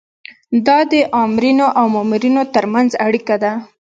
دا د آمرینو او مامورینو ترمنځ اړیکه ده.